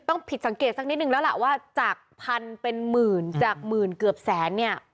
ผิดสังเกตสักนิดนึงแล้วล่ะว่าจากพันเป็นหมื่นจากหมื่นเกือบแสนเนี่ย